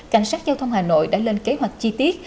cảnh sát giao thông hà nội đã lên kế hoạch chi tiết